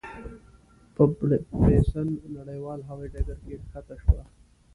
په پېرسن نړیوال هوایي ډګر کې کښته شوه.